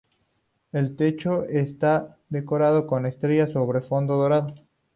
El techo está decorado con estrellas sobre un fondo dorado.